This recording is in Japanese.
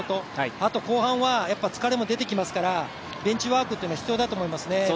あと後半は疲れも出てきますから、ベンチワークというのは必要だと思いますね。